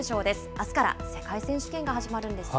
あすから世界選手権が始まるんですよね。